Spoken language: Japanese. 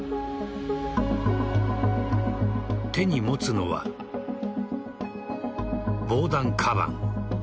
手に持つのは防弾かばん。